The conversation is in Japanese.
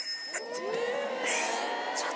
えっ！